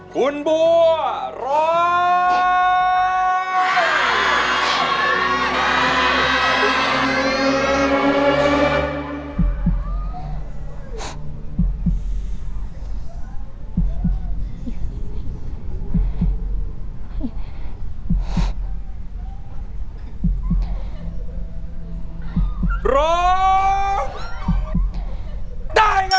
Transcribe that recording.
คุณบัวร้อง